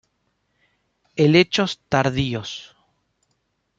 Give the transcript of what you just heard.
Helechos tardíos.